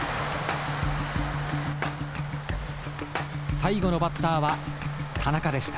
最後のバッターは田中でした。